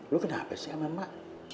lu kenapa sih sama emak